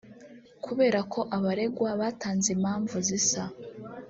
Kubera ko abaregwa batanze impamvu zisa